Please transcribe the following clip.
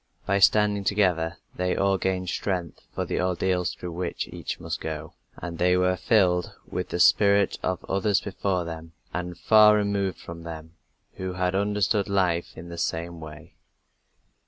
By standing together they all gained strength for the ordeals through which each must go, and they were filled with the spirit of others before them and far removed from them, who had understood life in the same way.